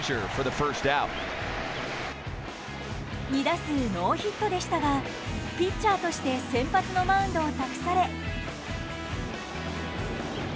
２打数ノーヒットでしたがピッチャーとして先発のマウンドを託され。